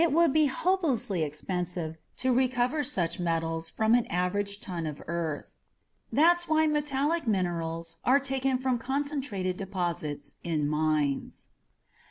It would be hopelessly expensive to recover such metals from an average ton of earth. That's why metallic minerals are taken from concentrated deposits in mines.